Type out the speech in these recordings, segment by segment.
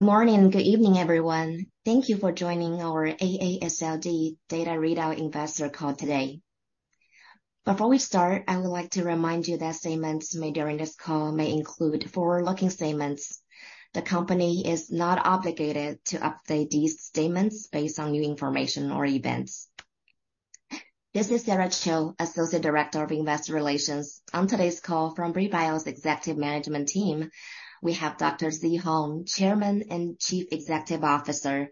Good morning, good evening, everyone. Thank you for joining our AASLD Data Readout Investor Call today. Before we start, I would like to remind you that statements made during this call may include forward-looking statements. The company is not obligated to update these statements based on new information or events. This is Sarah Qiu, Associate Director of Investor Relations. On today's call from Brii Bio's Executive Management Team, we have Dr. Zhi Hong, Chairman and Chief Executive Officer,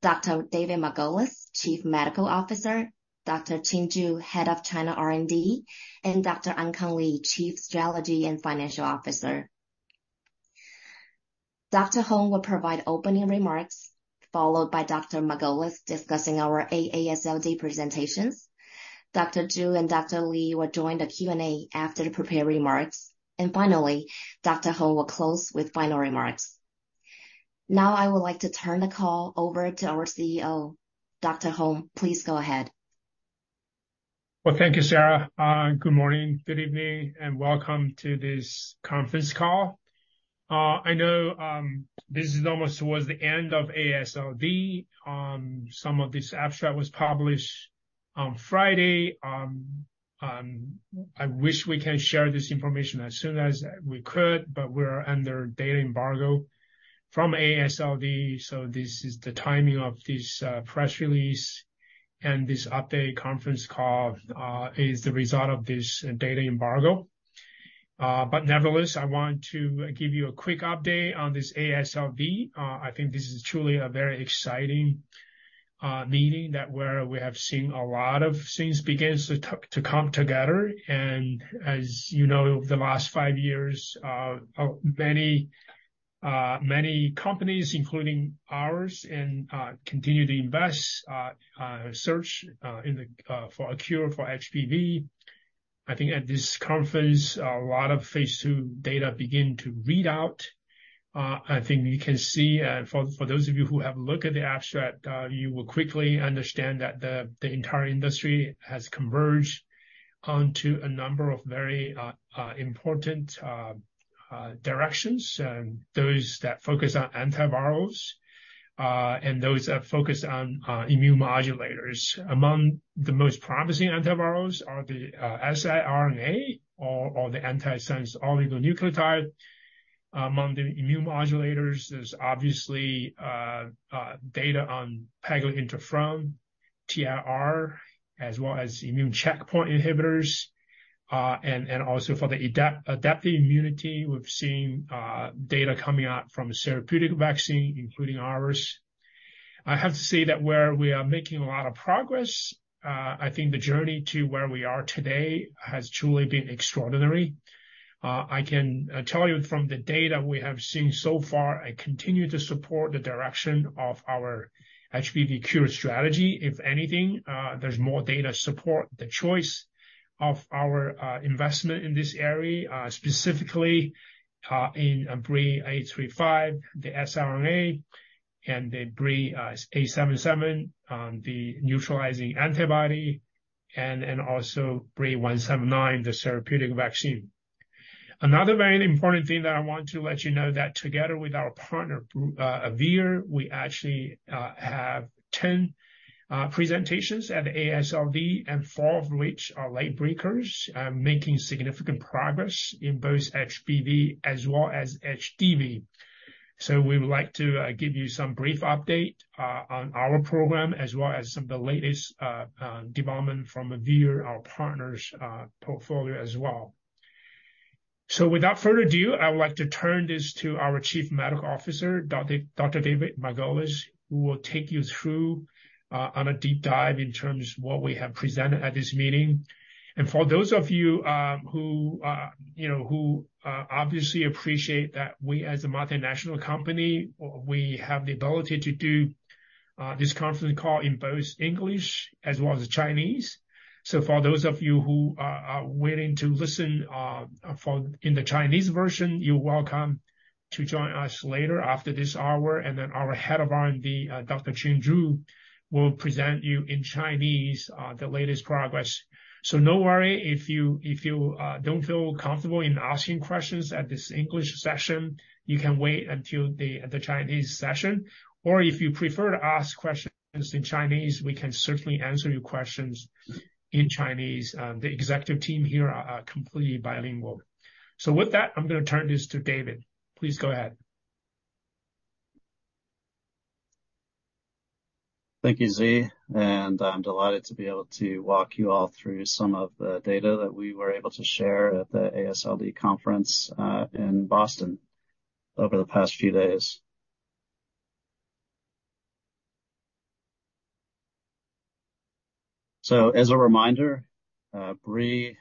Dr. David Margolis, Chief Medical Officer, Dr. Qing Zhu, Head of China R&D, and Dr. Ankang Li, Chief Strategy and Financial Officer. Dr. Hong will provide opening remarks, followed by Dr. Margolis discussing our AASLD presentations. Dr. Zhu and Dr. Li will join the Q&A after the prepared remarks, and finally, Dr. Hong will close with final remarks. Now, I would like to turn the call over to our CEO, Dr. Hong. Please go ahead. Well, thank you, Sarah. Good morning, good evening, and welcome to this conference call. I know this is almost towards the end of AASLD. Some of this abstract was published on Friday. I wish we can share this information as soon as we could, but we're under data embargo from AASLD, so this is the timing of this press release, and this update conference call is the result of this data embargo. But nevertheless, I want to give you a quick update on this AASLD. I think this is truly a very exciting meeting that where we have seen a lot of things begins to come together. As you know, the last five years, many, many companies, including ours, continue to invest, search for a cure for HBV. I think at this conference, a lot of Phase 2 data begin to read out. I think you can see, for those of you who have looked at the abstract, you will quickly understand that the entire industry has converged onto a number of very important directions, and those that focus on antivirals and those that focus on immunomodulators. Among the most promising antivirals are the siRNA or the antisense oligonucleotide. Among the immunomodulators, there's obviously data on pegylated interferon, TLR, as well as immune checkpoint inhibitors. And also for the adaptive immunity, we've seen data coming out from a therapeutic vaccine, including ours. I have to say that where we are making a lot of progress, I think the journey to where we are today has truly been extraordinary. I can tell you from the data we have seen so far, I continue to support the direction of our HBV cure strategy. If anything, there's more data support the choice of our investment in this area, specifically, in BRII-835, the siRNA, and the BRII-877, the neutralizing antibody, and also BRII-179, the therapeutic vaccine. Another very important thing that I want to let you know that together with our partner, Vir, we actually have 10 presentations at AASLD, and 4 of which are late breakers, making significant progress in both HBV as well as HDV. We would like to give you some brief update on our program, as well as some of the latest development from Vir, our partner's portfolio as well. So without further ado, I would like to turn this to our Chief Medical Officer, Dr. David Margolis, who will take you through on a deep dive in terms of what we have presented at this meeting. And for those of you who you know who obviously appreciate that we as a multinational company have the ability to do this conference call in both English as well as Chinese. So for those of you who are willing to listen in the Chinese version, you're welcome to join us later after this hour, and then our head of R&D, Dr. Qing Zhu, will present you in Chinese the latest progress. So no worry if you don't feel comfortable in asking questions at this English session, you can wait until the Chinese session, or if you prefer to ask questions in Chinese, we can certainly answer your questions in Chinese. The executive team here are completely bilingual. So with that, I'm going to turn this to David. Please go ahead. Thank you, Zhi, and I'm delighted to be able to walk you all through some of the data that we were able to share at the AASLD conference in Boston over the past few days. So as a reminder, Brii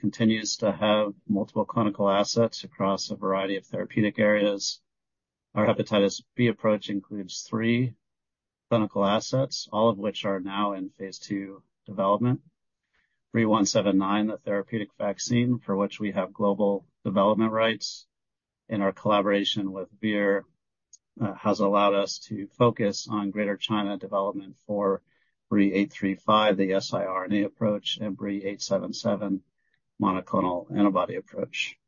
continues to have multiple clinical assets across a variety of therapeutic areas. Our hepatitis B approach includes three clinical assets, all of which are now in Phase 2 development. BRII-179, the therapeutic vaccine, for which we have global development rights, and our collaboration with Vir has allowed us to focus on Greater China development for BRII-835, the siRNA approach, and BRII-877, the monoclonal antibody approach.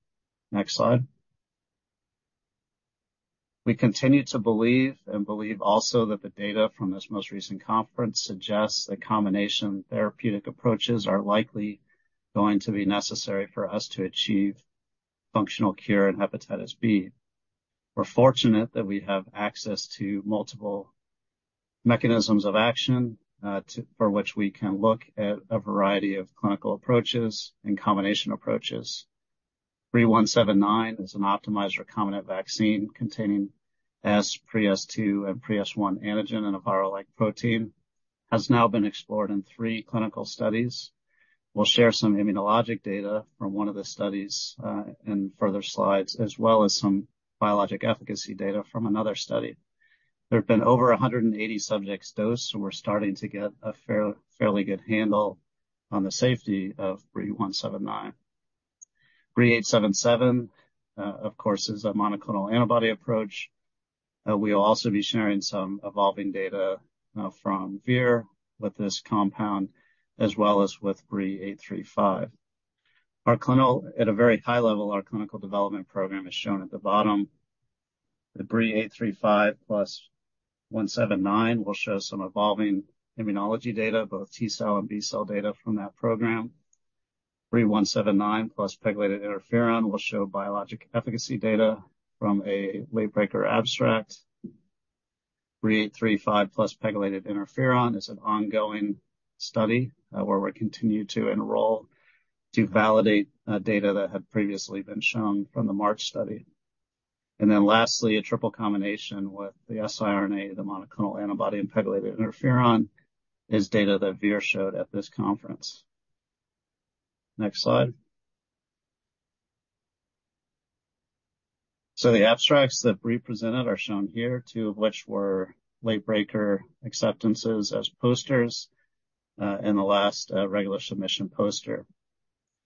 Next slide. We continue to believe, and believe also that the data from this most recent conference suggests that combination therapeutic approaches are likely going to be necessary for us to achieve functional cure in hepatitis B. We're fortunate that we have access to multiple mechanisms of action, for which we can look at a variety of clinical approaches and combination approaches. BRII-179 is an optimized recombinant vaccine containing S, Pre-S2, and Pre-S1 antigen, and a viral-like protein. Has now been explored in three clinical studies. We'll share some immunologic data from one of the studies, in further slides, as well as some biologic efficacy data from another study. There have been over 180 subjects dosed, so we're starting to get a fairly good handle on the safety of BRII-179. BRII-877, of course, is a monoclonal antibody approach. We'll also be sharing some evolving data from Vir with this compound, as well as with BRII-835. At a very high level, our clinical development program is shown at the bottom. The BRII-835 plus BRII-179 will show some evolving immunology data, both T-cell and B-cell data from that program. BRII-179 plus pegylated interferon will show biologic efficacy data from a late breaker abstract. BRII-835 plus pegylated interferon is an ongoing study where we continue to enroll to validate data that had previously been shown from the MARCH study. And then lastly, a triple combination with the siRNA, the monoclonal antibody, and pegylated interferon, is data that Vir showed at this conference. Next slide. So the abstracts that BRII presented are shown here, two of which were late breaker acceptances as posters, and the last, regular submission poster.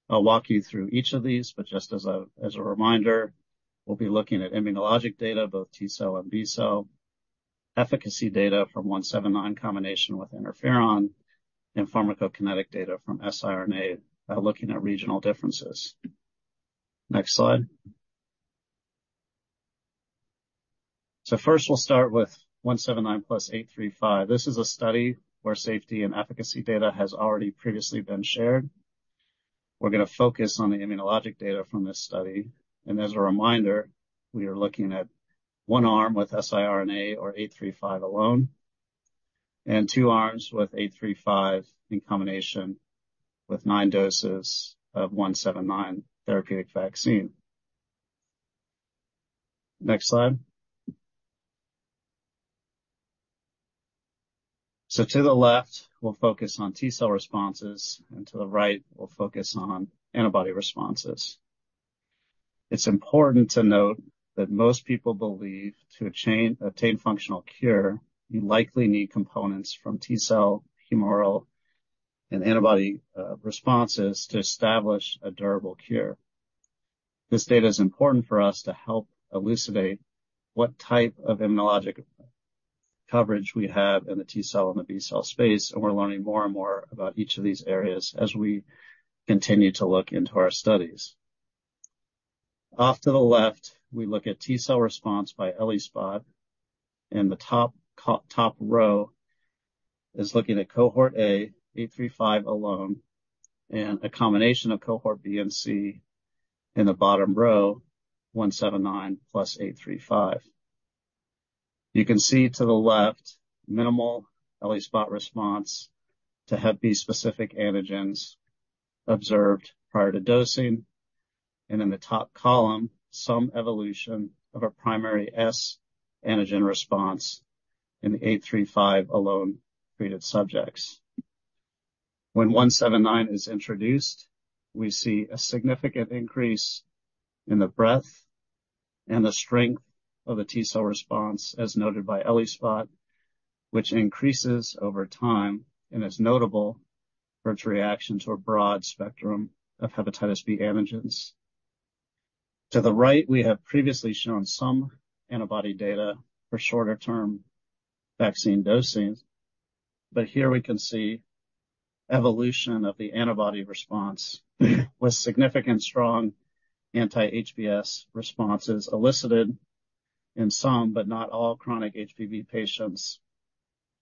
I'll walk you through each of these, but just as a reminder, we'll be looking at immunologic data, both T-cell and B-cell, efficacy data from BRII-179 combination with interferon, and pharmacokinetic data from siRNA, looking at regional differences. Next slide. First, we'll start with BRII-179 plus BRII-835. This is a study where safety and efficacy data has already previously been shared. We're gonna focus on the immunologic data from this study. As a reminder, we are looking at 1 arm with siRNA or BRII-835 alone, and 2 arms with BRII-835 in combination with 9 doses of BRII-179 therapeutic vaccine. Next slide. To the left, we'll focus on T-cell responses, and to the right, we'll focus on antibody responses. It's important to note that most people believe to obtain functional cure, you likely need components from T-cell, humoral, and antibody responses to establish a durable cure. This data is important for us to help elucidate what type of immunologic coverage we have in the T-cell and the B-cell space, and we're learning more and more about each of these areas as we continue to look into our studies. Off to the left, we look at T-cell response by ELISpot, and the top row is looking at cohort A, BRII-835 alone, and a combination of cohort B and C in the bottom row, BRII-179 plus BRII-835. You can see to the left, minimal ELISpot response to Hepatitis B-specific antigens observed prior to dosing, and in the top column, some evolution of a Pre-S antigen response in the 835 alone treated subjects. When BRII-179 is introduced, we see a significant increase in the breadth and the strength of a T-cell response, as noted by ELISpot, which increases over time and is notable for its reaction to a broad spectrum of hepatitis B antigens. To the right, we have previously shown some antibody data for shorter-term vaccine dosing, but here we can see evolution of the antibody response with significant strong anti-HBs responses elicited in some, but not all, chronic HBV patients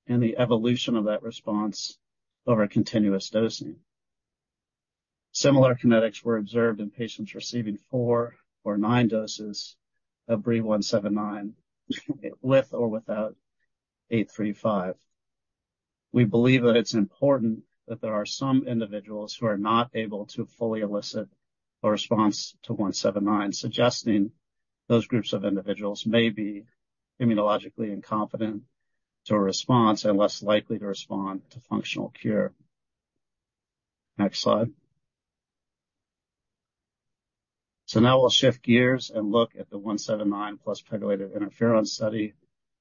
and the evolution of that response over a continuous dosing. Similar kinetics were observed in patients receiving 4 or 9 doses of BRII-179, with or without 835. We believe that it's important that there are some individuals who are not able to fully elicit a response to 179, suggesting those groups of individuals may be immunologically incompetent to a response and less likely to respond to functional cure. Next slide. So now we'll shift gears and look at the BRII-179 plus pegylated interferon study,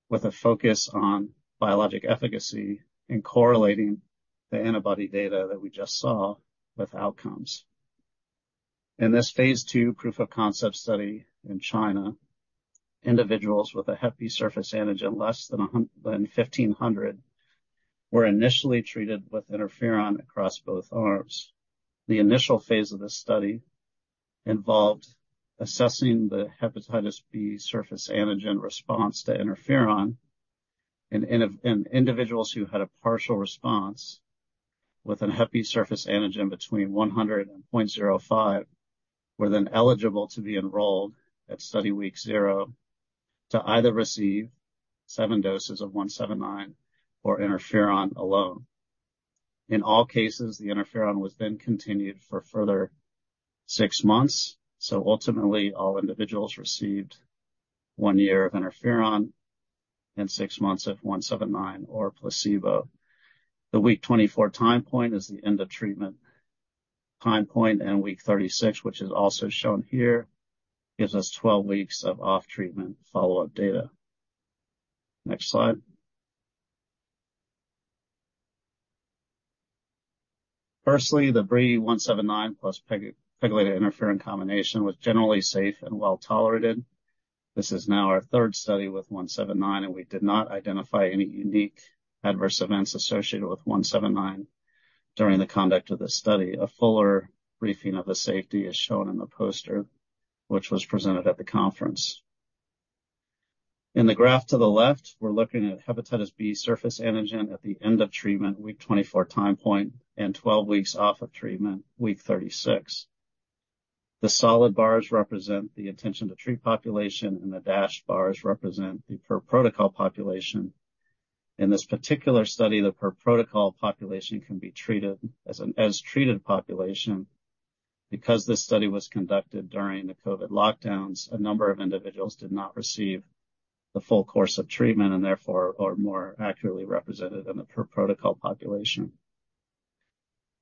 with a focus on biologic efficacy and correlating the antibody data that we just saw with outcomes. In this Phase 2 proof of concept study in China, individuals with a hepatitis B surface antigen less than 1,500 were initially treated with interferon across both arms. The initial phase of this study involved assessing the hepatitis B surface antigen response to interferon, and individuals who had a partial response with a hepatitis B surface antigen between 100 and 0.05 were then eligible to be enrolled at study week zero to either receive 7 doses of BRII-179 or interferon alone. In all cases, the interferon was then continued for further 6 months, so ultimately, all individuals received 1 year of interferon and 6 months of BRII-179 or placebo. The week 24 time point is the end of treatment time point, and week 36, which is also shown here, gives us 12 weeks of off-treatment follow-up data. Next slide. Firstly, the BRII-179 plus pegylated interferon combination was generally safe and well-tolerated. This is now our third study with BRII-179, and we did not identify any unique adverse events associated with BRII-179 during the conduct of this study. A fuller briefing of the safety is shown in the poster, which was presented at the conference. In the graph to the left, we're looking at hepatitis B surface antigen at the end of treatment, week 24 time point, and 12 weeks off of treatment, week 36. The solid bars represent the intention-to-treat population, and the dashed bars represent the per-protocol population. In this particular study, the per-protocol population can be treated as an as-treated population. Because this study was conducted during the COVID lockdowns, a number of individuals did not receive the full course of treatment and therefore are more accurately represented in the per-protocol population.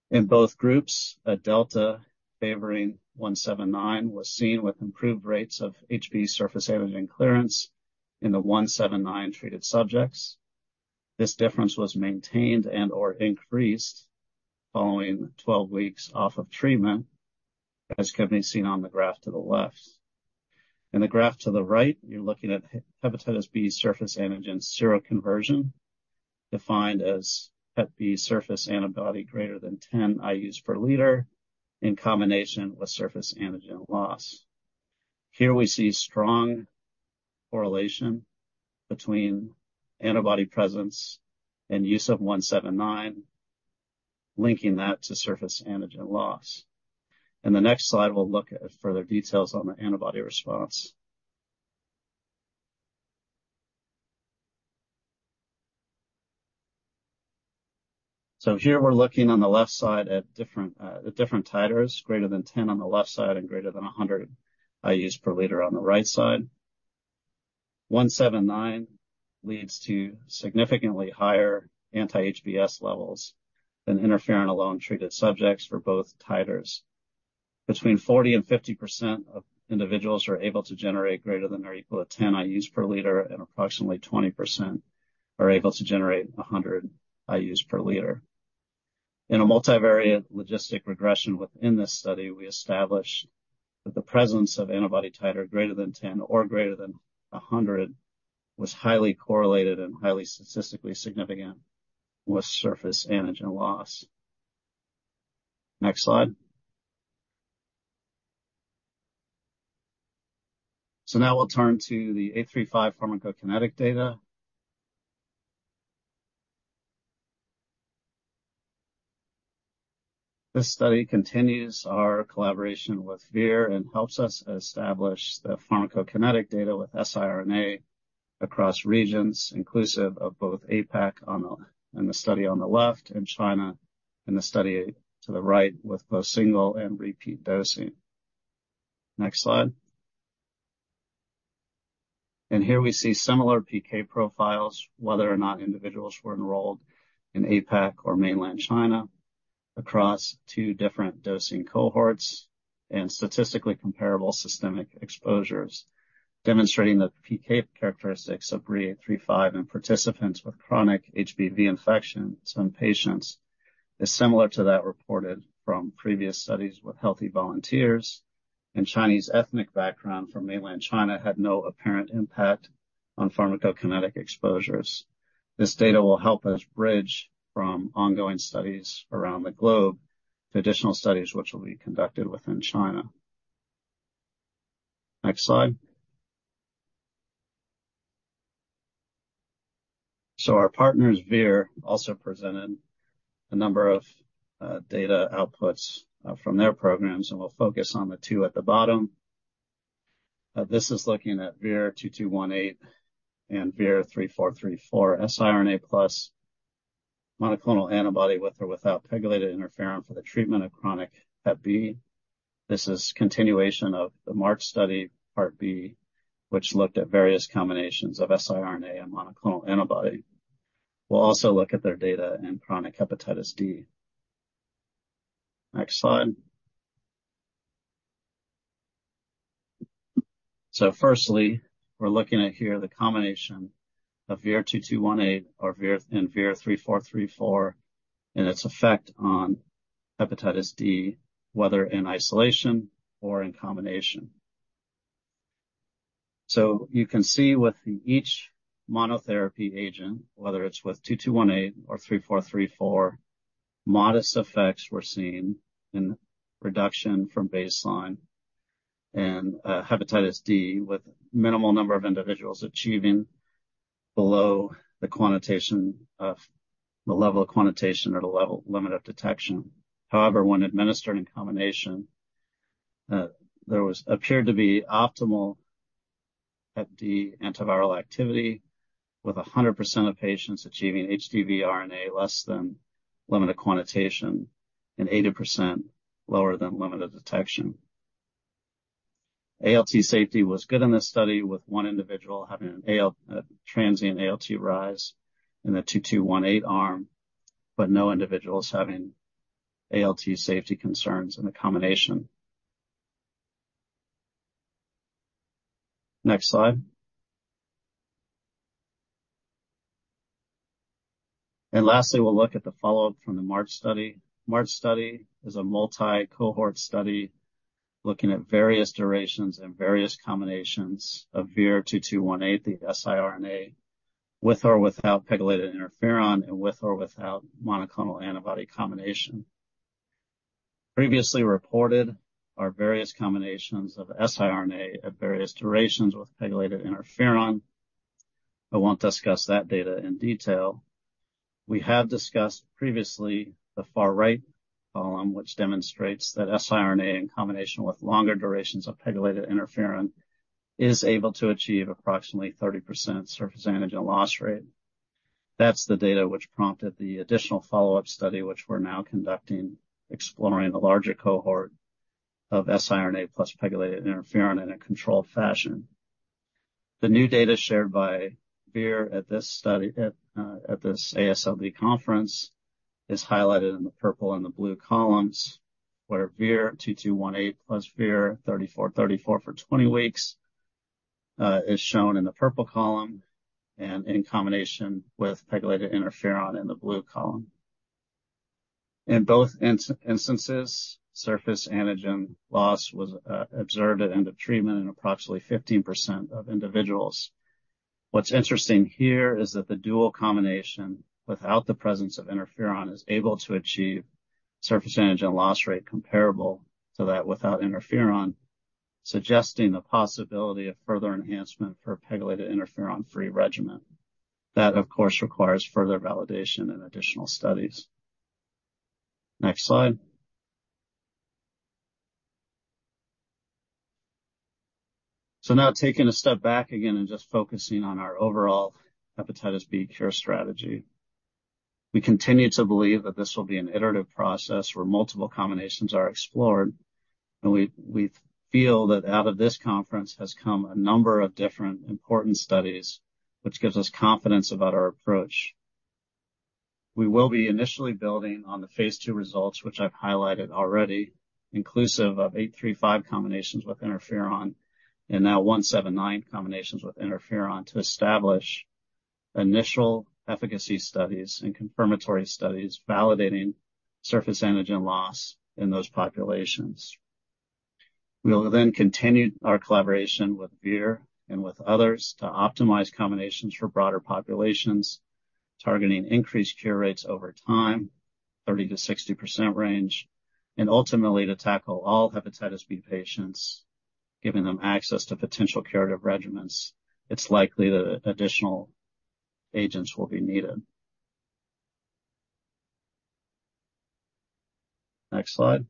In both groups, a delta favoring BRII-179 was seen with improved rates of HBsAg clearance in the BRII-179-treated subjects. This difference was maintained and/or increased following 12 weeks off of treatment, as can be seen on the graph to the left. In the graph to the right, you're looking at hepatitis B surface antigen seroconversion, defined as hepatitis B surface antibody greater than 10 IUs per liter in combination with surface antigen loss. Here we see strong correlation between antibody presence and use of BRII-179, linking that to surface antigen loss. In the next slide, we'll look at further details on the antibody response. So here we're looking on the left side at different titers, greater than 10 on the left side and greater than 100 IUs per liter on the right side. BRII-179 leads to significantly higher anti-HBs levels than interferon alone treated subjects for both titers. Between 40% and 50% of individuals are able to generate greater than or equal to 10 IUs per liter, and approximately 20% are able to generate 100 IUs per liter. In a multivariate logistic regression within this study, we established that the presence of antibody titer greater than 10 or greater than 100 was highly correlated and highly statistically significant with surface antigen loss. Next slide. So now we'll turn to the BRII-835 pharmacokinetics data. This study continues our collaboration with Vir and helps us establish the pharmacokinetics data with siRNA across regions, inclusive of both APAC in the study on the left and China in the study to the right, with both single and repeat dosing. Next slide. Here we see similar PK profiles, whether or not individuals were enrolled in APAC or Mainland China, across two different dosing cohorts and statistically comparable systemic exposures, demonstrating the PK characteristics of BRII-835 in participants with chronic HBV infections in patients is similar to that reported from previous studies with healthy volunteers, and Chinese ethnic background from Mainland China had no apparent impact on pharmacokinetics exposures. This data will help us bridge from ongoing studies around the globe to additional studies which will be conducted within China. Next slide. So our partners, Vir, also presented a number of data outputs from their programs, and we'll focus on the two at the bottom. This is looking at VIR-2218 and VIR-3434 siRNA plus monoclonal antibody with or without pegylated interferon for the treatment of chronic hep B. This is continuation of the March study, part B, which looked at various combinations of siRNA and monoclonal antibody. We'll also look at their data in chronic hepatitis D. Next slide. So firstly, we're looking at here the combination of VIR-2218 or VIR-3434, and its effect on hepatitis D, whether in isolation or in combination. So you can see with each monotherapy agent, whether it's with 2218 or 3434, modest effects were seen in reduction from baseline and hepatitis D, with minimal number of individuals achieving below the level of quantitation or the limit of detection. However, when administered in combination, there was appeared to be optimal hep D antiviral activity, with 100% of patients achieving HBV RNA less than limit of quantitation and 80% lower than limit of detection. ALT safety was good in this study, with one individual having a transient ALT rise in the 2218 arm, but no individuals having ALT safety concerns in the combination. Next slide. Lastly, we'll look at the follow-up from the March study. March study is a multi-cohort study looking at various durations and various combinations of VIR-2218, the siRNA, with or without pegylated interferon and with or without monoclonal antibody combination. Previously reported are various combinations of siRNA at various durations with pegylated interferon. I won't discuss that data in detail. We have discussed previously the far right column, which demonstrates that siRNA in combination with longer durations of pegylated interferon is able to achieve approximately 30% surface antigen loss rate. That's the data which prompted the additional follow-up study, which we're now conducting, exploring a larger cohort of siRNA plus pegylated interferon in a controlled fashion. The new data shared by Vir at this study at this AASLD conference is highlighted in the purple and the blue columns, where VIR-2218 plus VIR-3434 for 20 weeks is shown in the purple column and in combination with pegylated interferon in the blue column. In both instances, surface antigen loss was observed at end of treatment in approximately 15% of individuals. What's interesting here is that the dual combination, without the presence of interferon, is able to achieve surface antigen loss rate comparable to that without interferon, suggesting the possibility of further enhancement for a pegylated interferon-free regimen. That, of course, requires further validation and additional studies. Next slide. So now taking a step back again and just focusing on our overall hepatitis B cure strategy. We continue to believe that this will be an iterative process where multiple combinations are explored, and we feel that out of this conference has come a number of different important studies, which gives us confidence about our approach. We will be initially building on the Phase 2 results, which I've highlighted already, inclusive of 835 combinations with interferon and now BRII-179 combinations with interferon, to establish initial efficacy studies and confirmatory studies validating surface antigen loss in those populations. We'll then continue our collaboration with Vir and with others to optimize combinations for broader populations, targeting increased cure rates over time, 30%-60% range, and ultimately to tackle all hepatitis B patients, giving them access to potential curative regimens. It's likely that additional agents will be needed. Next slide.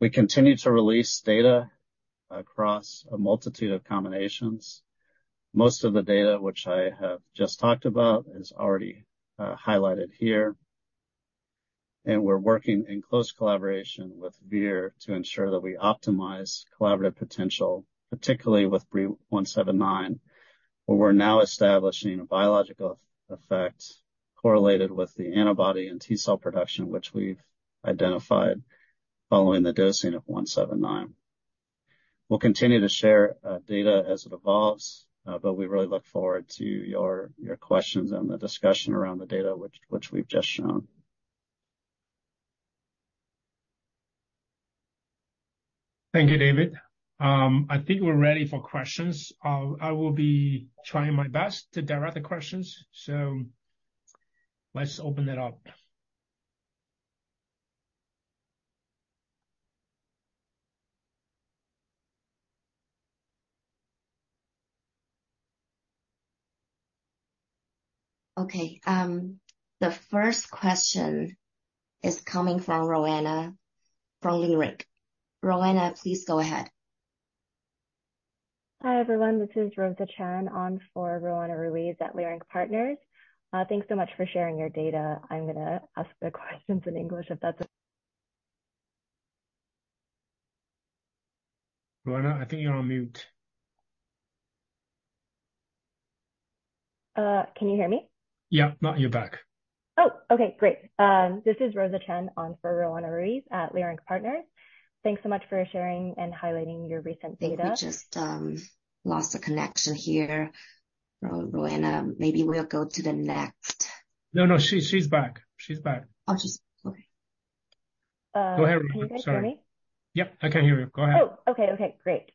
We continue to release data across a multitude of combinations. Most of the data which I have just talked about is already highlighted here. And we're working in close collaboration with Vir to ensure that we optimize collaborative potential, particularly with BRII-179, where we're now establishing a biological effect correlated with the antibody and T-cell production, which we've identified following the dosing of BRII-179. We'll continue to share data as it evolves, but we really look forward to your questions and the discussion around the data which we've just shown. Thank you, David. I think we're ready for questions. I will be trying my best to direct the questions, so let's open it up. Okay, the first question is coming from Roanna, from Leerink. Roanna, please go ahead. Hi, everyone. This is Rosa Chen on for Roanna Ruiz at Leerink Partners. Thanks so much for sharing your data. I'm gonna ask the questions in English, if that's- Roanna, I think you're on mute. Can you hear me? Yeah. Now you're back. Oh, okay. Great. This is Rosa Chen on for Roanna Ruiz at Leerink Partners. Thanks so much for sharing and highlighting your recent data. I think we just lost the connection here. Roanna, maybe we'll go to the next. No, no, she's, she's back. She's back. Oh, she's... Okay.... Go ahead. Sorry. Can you hear me? Yep, I can hear you. Go ahead. Oh, okay. Okay, great.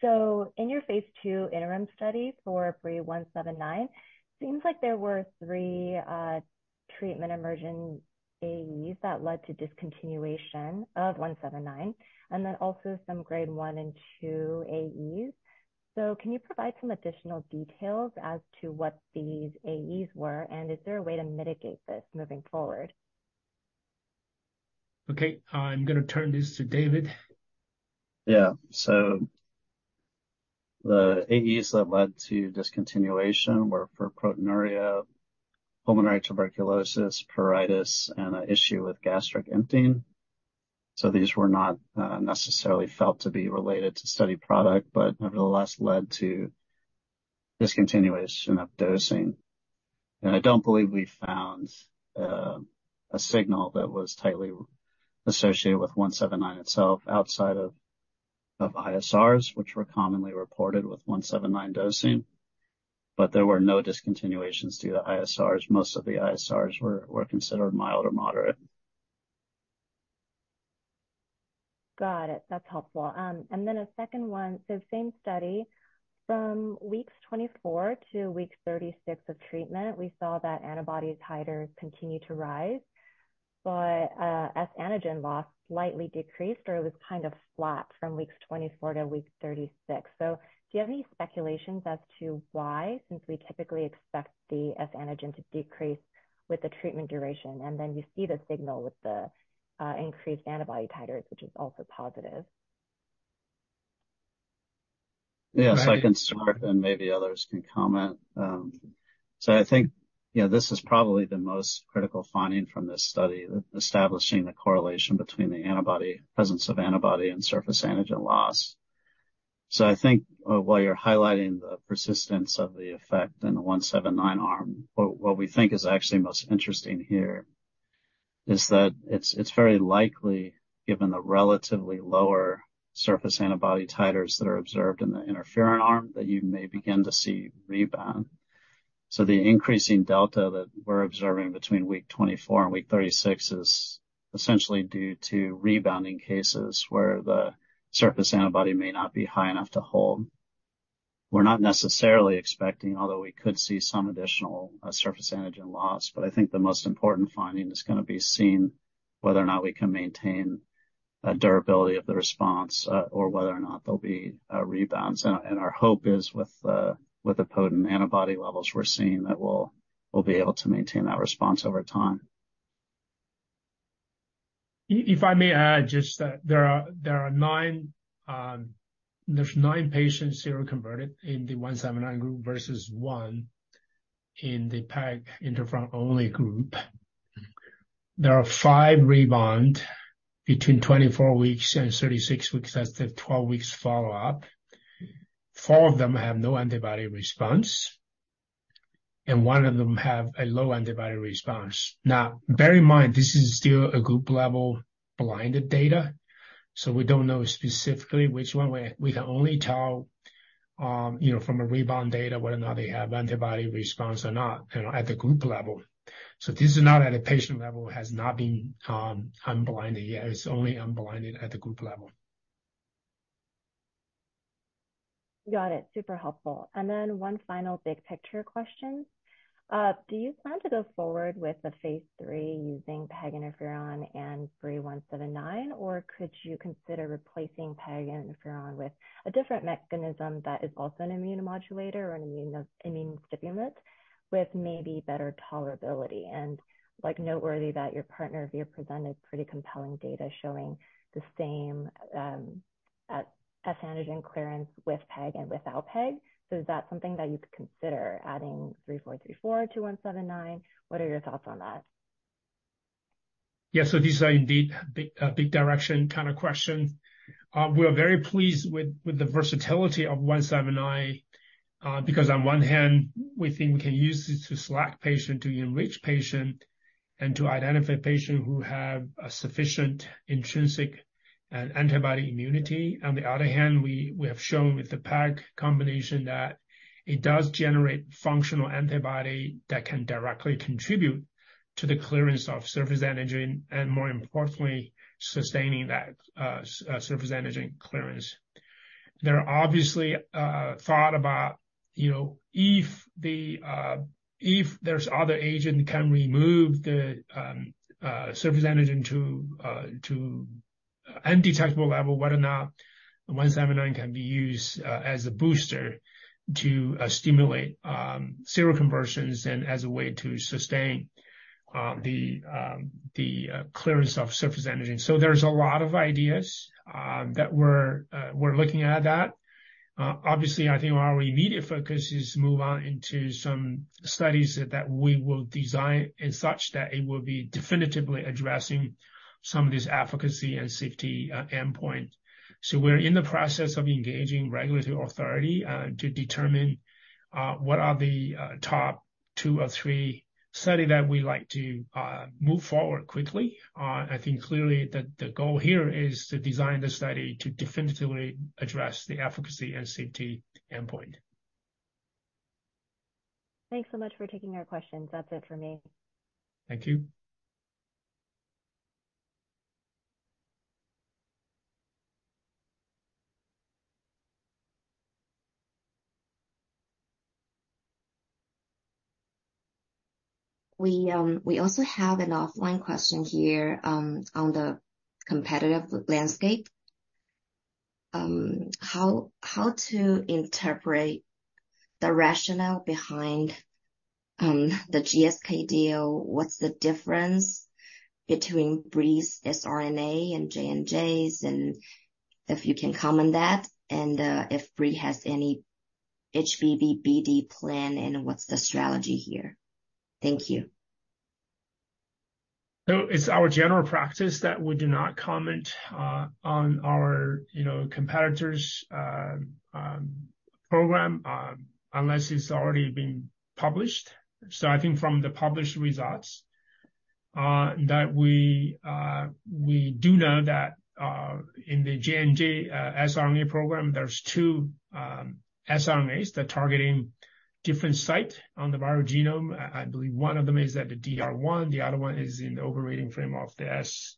So in your Phase 2 interim study for BRII-179, seems like there were three treatment-emergent AEs that led to discontinuation of BRII-179, and then also some Grade 1 and 2 AEs. So can you provide some additional details as to what these AEs were, and is there a way to mitigate this moving forward? Okay, I'm going to turn this to David. Yeah. So the AEs that led to discontinuation were for proteinuria, pulmonary tuberculosis, pruritus, and an issue with gastric emptying. So these were not necessarily felt to be related to study product, but nevertheless led to discontinuation of dosing. And I don't believe we found a signal that was tightly associated with BRII-179 itself outside of ISRs, which were commonly reported with BRII-179 dosing, but there were no discontinuations to the ISRs. Most of the ISRs were considered mild or moderate. Got it. That's helpful. And then a second one. So same study, from weeks 24 to week 36 of treatment, we saw that antibody titers continued to rise, but, S antigen loss slightly decreased, or it was kind of flat from weeks 24 to week 36. So do you have any speculations as to why? Since we typically expect the S antigen to decrease with the treatment duration, and then you see the signal with the, increased antibody titers, which is also positive. Yes, I can start, and maybe others can comment. So I think, you know, this is probably the most critical finding from this study, establishing the correlation between the antibody-- presence of antibody and surface antigen loss. So I think while you're highlighting the persistence of the effect in the BRII-179 arm, what we think is actually most interesting here is that it's, it's very likely, given the relatively lower surface antibody titers that are observed in the interferon arm, that you may begin to see rebound. So the increasing delta that we're observing between week 24 and week 36 is essentially due to rebounding cases where the surface antibody may not be high enough to hold. We're not necessarily expecting, although we could see some additional surface antigen loss, but I think the most important finding is going to be seeing whether or not we can maintain a durability of the response, or whether or not there'll be a rebound. And our hope is with the potent antibody levels we're seeing, that we'll be able to maintain that response over time. If I may add just that there are nine patients seroconverted in the BRII-179 group versus one in the PEG interferon only group. There are five rebound between 24 weeks and 36 weeks. That's the 12 weeks follow-up. Four of them have no antibody response, and one of them have a low antibody response. Now, bear in mind, this is still a group-level blinded data, so we don't know specifically which one. We can only tell, you know, from a rebound data, whether or not they have antibody response or not, you know, at the group level. So this is not at a patient level, has not been unblinded yet. It's only unblinded at the group level. Got it. Super helpful. And then one final big picture question. Do you plan to go forward with the Phase 3 using PEG interferon and BRII-179, or could you consider replacing PEG interferon with a different mechanism that is also an immunomodulator or an immunostimulant with maybe better tolerability? And, like, noteworthy that your partner, Vir, presented pretty compelling data showing the same HBsAg clearance with PEG and without PEG. So is that something that you could consider adding VIR-3434 to BRII-179? What are your thoughts on that? Yeah. So these are indeed big, a big direction kind of question. We are very pleased with the versatility of BRII-179, because on one hand, we think we can use this to select patient, to enrich patient, and to identify patients who have a sufficient intrinsic and antibody immunity. On the other hand, we have shown with the PEG combination that it does generate functional antibody that can directly contribute to the clearance of surface antigen and more importantly, sustaining that surface antigen clearance. There are obviously thought about, you know, if the if there's other agent can remove the surface antigen to to undetectable level, whether or not BRII-179 can be used as a booster to stimulate seroconversions and as a way to sustain the the clearance of surface antigen. So there's a lot of ideas that we're we're looking at that. Obviously, I think our immediate focus is to move on into some studies that that we will design in such that it will be definitively addressing some of these efficacy and safety endpoint. So we're in the process of engaging regulatory authority to determine what are the top 2 or 3 study that we like to move forward quickly. I think clearly the goal here is to design the study to definitively address the efficacy and safety endpoint.... Thanks so much for taking our questions. That's it for me. Thank you. We also have an offline question here on the competitive landscape. How to interpret the rationale behind the GSK deal? What's the difference between Brii’s siRNA and J&J’s, and if you can comment that, and if Brii has any HBV BD plan, and what's the strategy here? Thank you. So it's our general practice that we do not comment on our, you know, competitors program unless it's already been published. So I think from the published results that we do know that in the J&J siRNA program, there's two siRNAs that targeting different site on the viral genome. I believe one of them is at the DR1, the other one is in the open reading frame of the S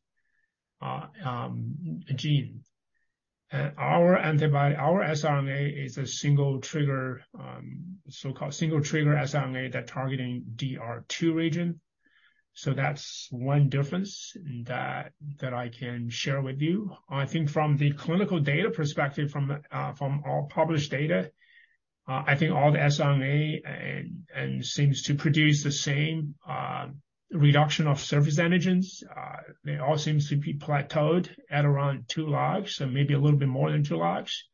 gene. And our antibody, our siRNA is a single trigger so-called single trigger siRNA that targeting DR2 region. So that's one difference that I can share with you. I think from the clinical data perspective, from all published data, I think all the siRNA and ASOs seem to produce the same reduction of surface antigens. They all seems to be plateaued at around 2 logs, so maybe a little bit more than 2 logs.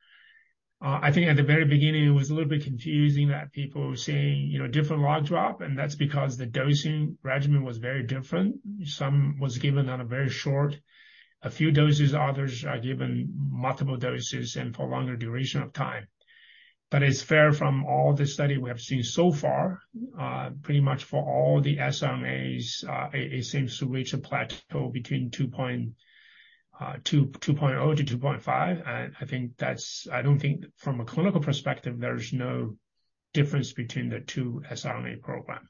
I think at the very beginning, it was a little bit confusing that people were seeing, you know, different log drop, and that's because the dosing regimen was very different. Some was given on a very short, a few doses, others are given multiple doses and for longer duration of time. But it's fair from all the study we have seen so far, pretty much for all the siRNAs, it seems to reach a plateau between 2.0-2.5, and I think that's. I don't think from a clinical perspective, there's no difference between the two siRNA programs.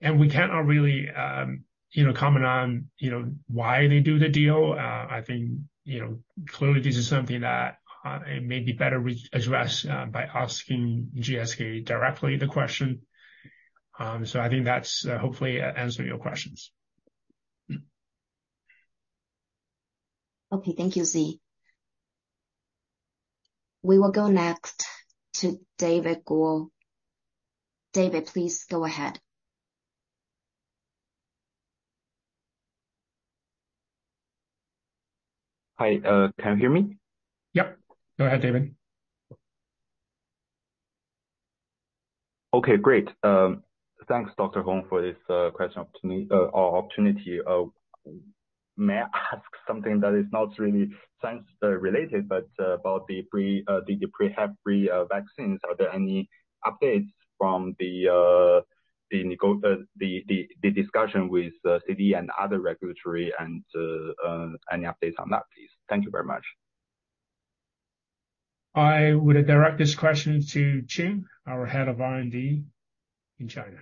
And we cannot really, you know, comment on, you know, why they do the deal. I think, you know, clearly this is something that it may be better re-addressed by asking GSK directly the question. So I think that's hopefully answer your questions. Okay. Thank you, Zhi. We will go next to David Guo. David, please go ahead. Hi, can you hear me? Yep. Go ahead, David. Okay, great. Thanks, Dr. Hong, for this question opportunity or opportunity. May I ask something that is not really science related, but about the 3-antigen hepatitis B vaccine vaccines. Are there any updates from the discussion with CDE and other regulatory and any updates on that, please? Thank you very much. I would direct this question to Qing, our Head of R&D in China.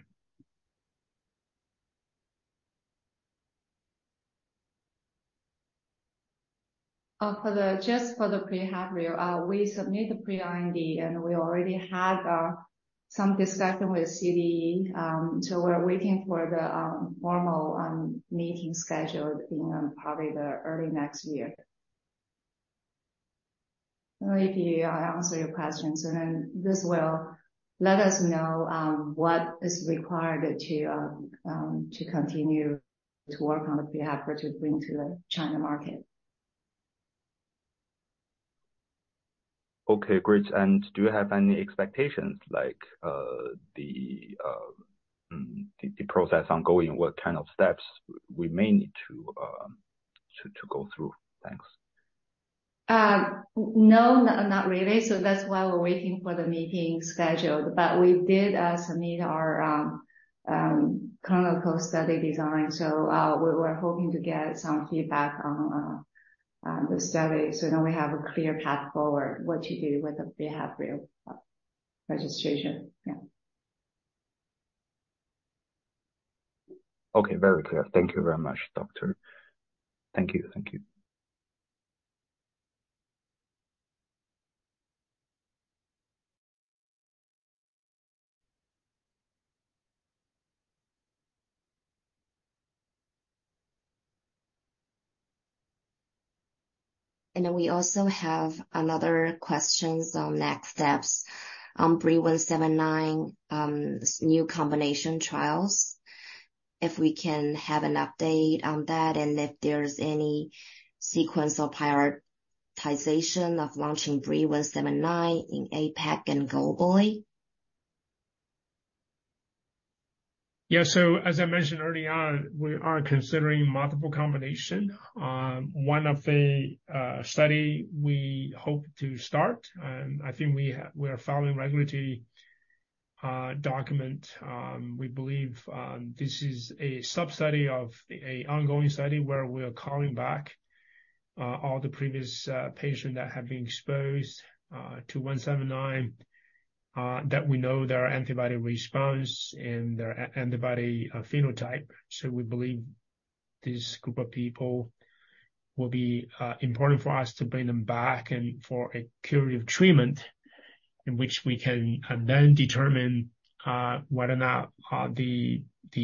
For the, just for the 3-antigen hepatitis B vaccine, we submitted the Pre-IND, and we already had some discussion with CDE. So we're waiting for the formal meeting schedule in probably the early next year. I don't know if I answer your questions, and then this will let us know what is required to continue to work on 3-antigen hepatitis B vaccine to bring to the China market. Okay, great. And do you have any expectations, like, the process ongoing, what kind of steps we may need to go through? Thanks. No, not really. So that's why we're waiting for the meeting scheduled. But we did submit our clinical study design, so we were hoping to get some feedback on the study, so then we have a clear path forward what to do with the 3-antigen hepatitis B vaccine registration. Yeah. Okay. Very clear. Thank you very much, Doctor. Thank you. Thank you. We also have another questions on next steps on BRII-179, new combination trials. If we can have an update on that, and if there's any sequence or prioritization of launching BRII-179 in APAC and globally. Yeah. So as I mentioned early on, we are considering multiple combination. One of the study we hope to start, and I think we have we are following regulatory document. We believe this is a sub-study of a ongoing study where we are calling back all the previous patient that have been exposed to BRII-179, that we know their antibody response and their antibody phenotype. So we believe this group of people will be important for us to bring them back and for a period of treatment in which we can then determine whether or not the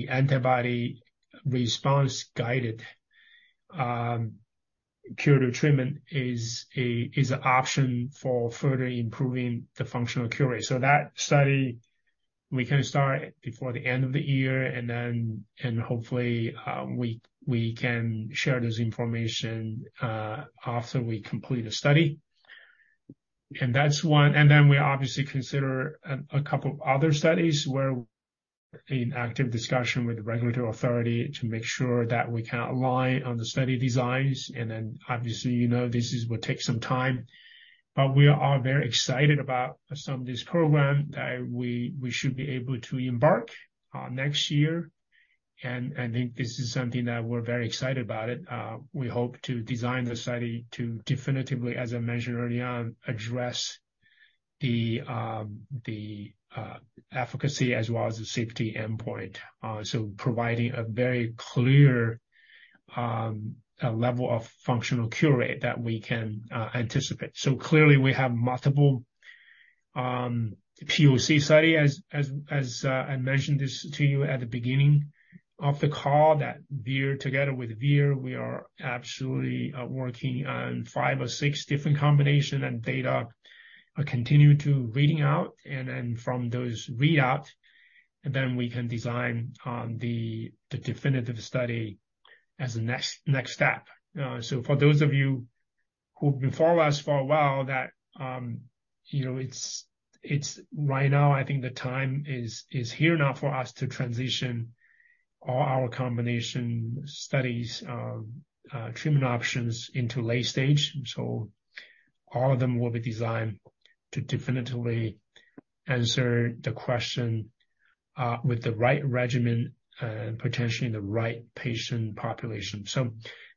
antibody response-guided curative treatment is a option for further improving the functional cure rate. So that study, we can start before the end of the year, and then, and hopefully, we can share this information after we complete a study. And that's one. And then we obviously consider a couple of other studies where in active discussion with the regulatory authority to make sure that we can align on the study designs, and then obviously, you know, this is, will take some time. But we are very excited about some of this program that we should be able to embark next year. And I think this is something that we're very excited about it. We hope to design the study to definitively, as I mentioned early on, address the efficacy as well as the safety endpoint. So providing a very clear level of functional cure rate that we can anticipate. So clearly we have multiple POC studies as I mentioned this to you at the beginning of the call, that Vir, together with Brii, we are absolutely working on 5 or 6 different combinations and data continue to read out. And then from those readouts, then we can design the definitive study as a next step. So for those of you who've been following us for a while, that you know, it's right now, I think the time is here now for us to transition all our combination studies, treatment options into late-stage. So all of them will be designed to definitively answer the question, with the right regimen and potentially the right patient population. So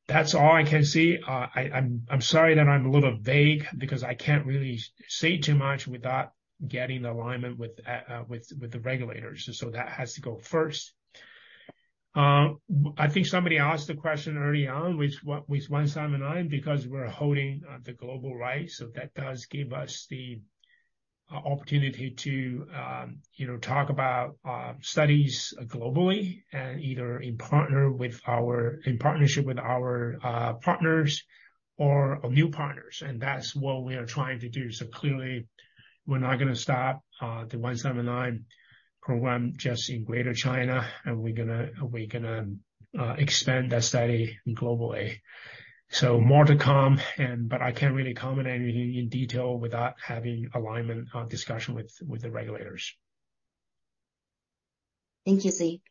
that's all I can say. I'm sorry that I'm a little vague because I can't really say too much without getting the alignment with the regulators, so that has to go first. I think somebody asked the question early on with what, with BRII-179, because we're holding the global rights, so that does give us the opportunity to, you know, talk about studies globally and either in partnership with our partners or new partners. And that's what we are trying to do. So clearly, we're not gonna stop the BRII-179 program just in Greater China, and we're gonna, we're gonna expand that study globally. So more to come and, but I can't really comment anything in detail without having alignment or discussion with, with the regulators. Thank you, Zhi.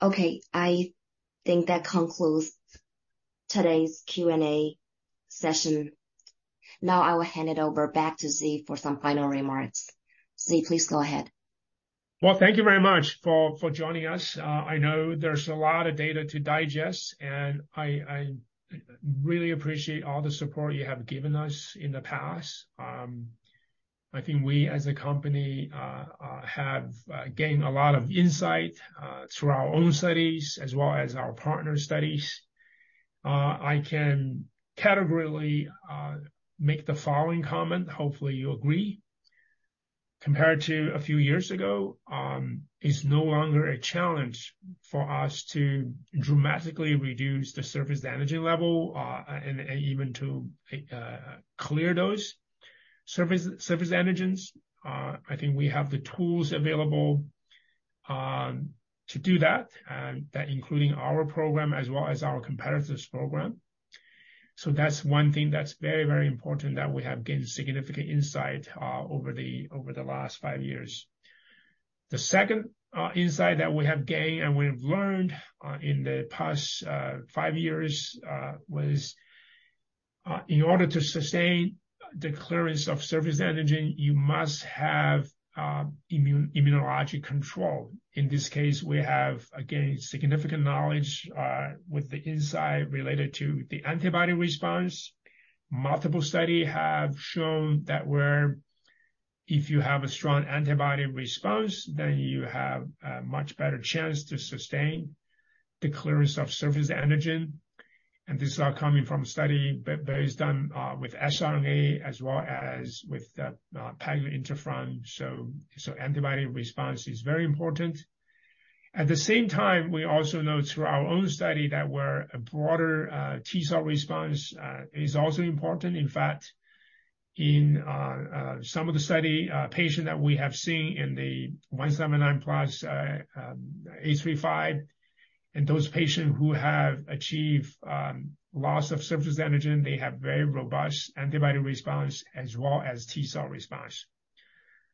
Okay, I think that concludes today's Q&A session. Now, I will hand it over back to Zhi for some final remarks. Zhi, please go ahead. Well, thank you very much for joining us. I know there's a lot of data to digest, and I really appreciate all the support you have given us in the past. I think we, as a company, have gained a lot of insight through our own studies as well as our partner studies. I can categorically make the following comment. Hopefully, you agree. Compared to a few years ago, it's no longer a challenge for us to dramatically reduce the surface antigen level, and even to clear those surface antigens. I think we have the tools available to do that, and that including our program as well as our competitors' program. So that's one thing that's very, very important, that we have gained significant insight over the last five years. The second insight that we have gained and we've learned in the past five years was in order to sustain the clearance of surface antigen, you must have immune, immunologic control. In this case, we have, again, significant knowledge with the insight related to the antibody response. Multiple study have shown that where if you have a strong antibody response, then you have a much better chance to sustain the clearance of surface antigen. And these are coming from a study that is done with siRNA as well as with pegylated interferon, so antibody response is very important. At the same time, we also know through our own study that where a broader T-cell response is also important. In fact, in some of the study patient that we have seen in the BRII-179 plus 835, and those patients who have achieved loss of surface antigen, they have very robust antibody response as well as T-cell response.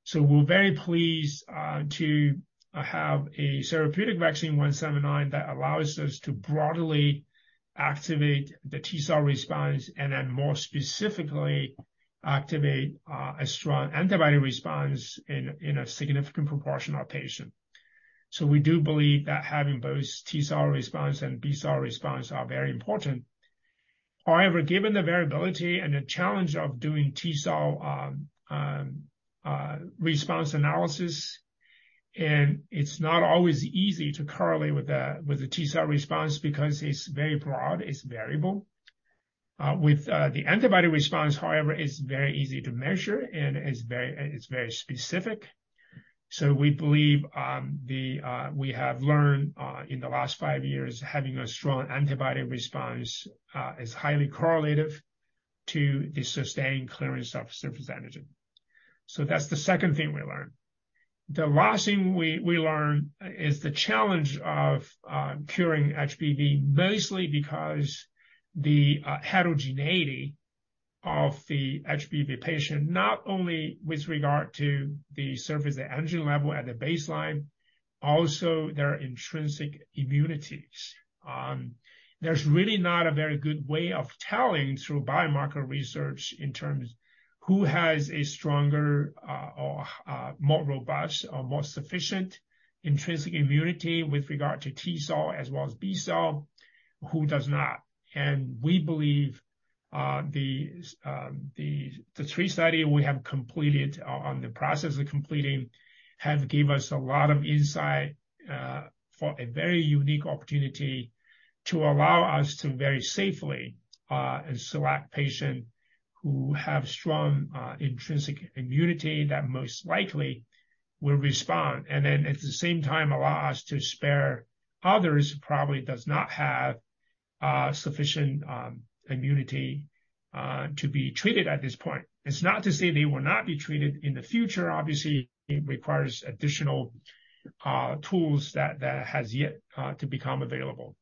So we're very pleased to have a therapeutic vaccine, BRII-179, that allows us to broadly activate the T-cell response and then more specifically activate a strong antibody response in a significant proportion of patient. So we do believe that having both T-cell response and B-cell response are very important. However, given the variability and the challenge of doing T-cell response analysis, and it's not always easy to correlate with the T-cell response because it's very broad, it's variable. With the antibody response, however, it's very easy to measure and it's very specific. So we believe, we have learned in the last five years, having a strong antibody response is highly correlative to the sustained clearance of surface antigen. So that's the second thing we learned. The last thing we learned is the challenge of curing HBV, mostly because the heterogeneity of the HBV patient, not only with regard to the surface antigen level at the baseline, also their intrinsic immunities. There's really not a very good way of telling through biomarker research in terms who has a stronger or more robust or more sufficient intrinsic immunity with regard to T-cell as well as B-cell, who does not. And we believe, the three study we have completed or on the process of completing, have gave us a lot of insight, for a very unique opportunity to allow us to very safely, select patient who have strong, intrinsic immunity that most likely will respond. And then at the same time, allow us to spare others who probably does not have, sufficient, immunity, to be treated at this point. It's not to say they will not be treated in the future. Obviously, it requires additional, tools that, that has yet, to become available.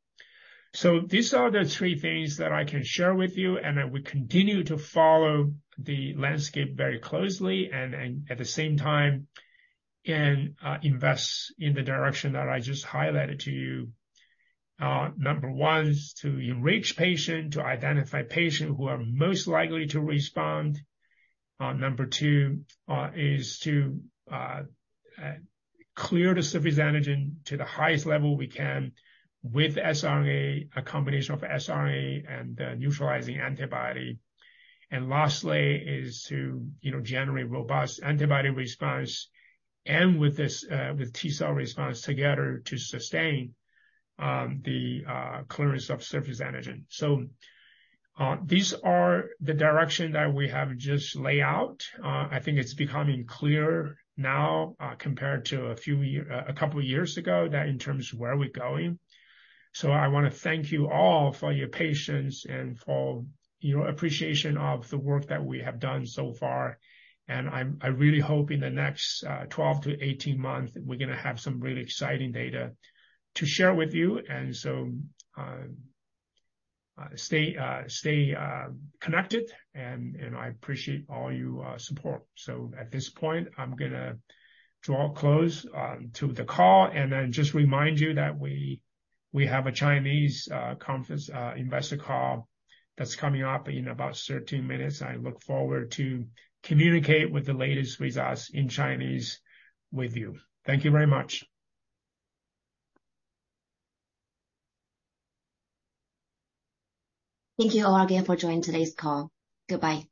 So these are the three things that I can share with you, and I will continue to follow the landscape very closely and, and at the same time, and, invest in the direction that I just highlighted to you. Number one is to enrich patient, to identify patient who are most likely to respond. Number two is to clear the surface antigen to the highest level we can with siRNA, a combination of siRNA and a neutralizing antibody. And lastly, is to, you know, generate robust antibody response and with this, with T-cell response together to sustain, the clearance of surface antigen. So, these are the direction that we have just laid out. I think it's becoming clearer now, compared to a few year... a couple of years ago, that in terms of where we're going. So I want to thank you all for your patience and for your appreciation of the work that we have done so far. I really hope in the next 12 months-18 months, we're going to have some really exciting data to share with you. So stay connected, and I appreciate all your support. So at this point, I'm going to draw close to the call and then just remind you that we have a Chinese conference investor call that's coming up in about 13 minutes. I look forward to communicate with the latest results in Chinese with you. Thank you very much. Thank you again for joining today's call. Goodbye.